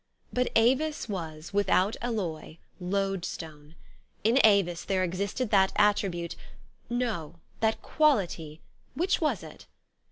But Avis was, without alloy, loadstone. In Avis there existed that attribute no, that quality ; which was it